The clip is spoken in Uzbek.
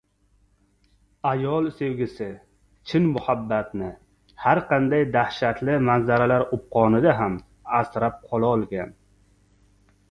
Ayol sevgisi, chin muhabbatni har qanday dahshatli manzaralar o‘pqonida ham asrab qololgan.